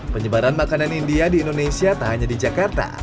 penyebaran makanan india di indonesia tak hanya di jakarta